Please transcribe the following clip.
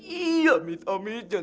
iya minta amin jan